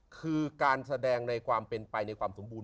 คือการแสดงในความเป็นไปในความสมบูรณ